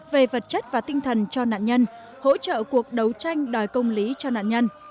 về vật chất và tinh thần cho nạn nhân hỗ trợ cuộc đấu tranh đòi công lý cho nạn nhân